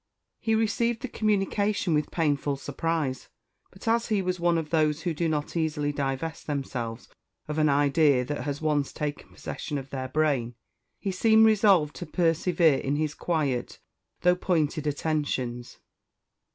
He received the communication with painful surprise; but as he was one of those who do not easily divest themselves of an idea that has once taken possession of their brain, he seemed resolved to persevere in his quiet, though pointed attentions.